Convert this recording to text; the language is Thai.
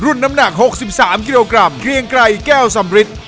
น้ำหนัก๖๓กิโลกรัมเกรียงไกรแก้วสำริท